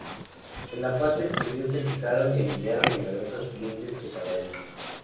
En la parte exterior se fijaron y alinearon numerosos dientes de jabalí.